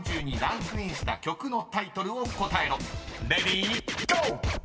［レディーゴー！］